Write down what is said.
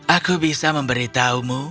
aku bisa memberitahumu